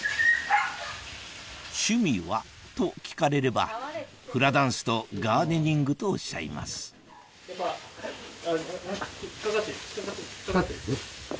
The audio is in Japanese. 趣味は？と聞かれればフラダンスとガーデニングとおっしゃいます引っ掛かってる？